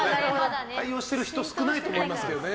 対応してる人少ないと思いますけどね。